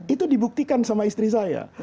itu dibuktikan sama istri saya